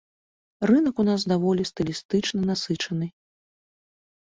Рынак у нас даволі стылістычна насычаны.